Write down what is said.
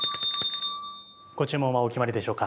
ご注文はお決まりでしょうか？